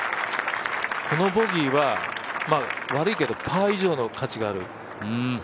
このボギーは悪いけど、パー以上の価値がある。